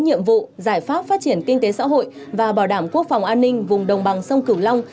nhiệm vụ giải pháp phát triển kinh tế xã hội và bảo đảm quốc phòng an ninh vùng đồng bằng sông cửu long